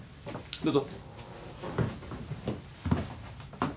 どうぞ。